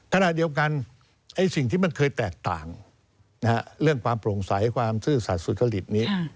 ขณะเดียวกันสิ่งที่มันเคยแตกต่างเรื่องความโปร่งใสความซื่อสัตว์สุจริตนี้